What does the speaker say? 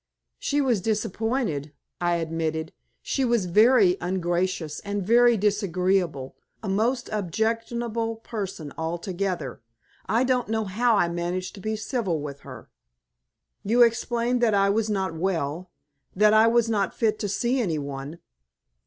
"She was disappointed," I admitted. "She was very ungracious and very disagreeable; a most objectionable person altogether. I don't know how I managed to be civil with her." "You explained that I was not well that I was not fit to see any one?"